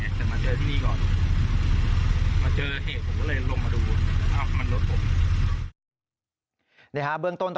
และกำลังจะขับกลับบ้านที่นครปฐม